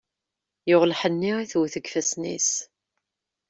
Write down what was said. Yuɣ lḥenni i tewwet i yifassen-is.